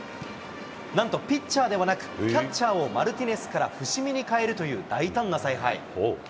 なんとピッチャーではなく、キャッチャーをマルティネスから伏見に代えるという大胆な采配。